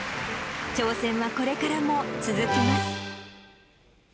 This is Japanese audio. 挑戦はこれからも続きます。